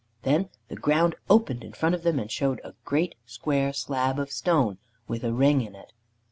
Then the ground opened in front of them, and showed a great square slab of stone with a ring in it.